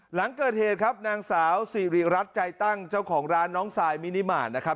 หลังเกิดเหตุครับนางสาวสิริรัตน์ใจตั้งเจ้าของร้านน้องซายมินิมานนะครับ